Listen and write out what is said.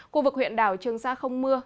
khu vực huyện đảo trường sa không mưa